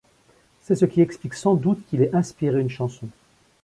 C’est ce qui explique sans doute qu’il ait inspiré une chanson.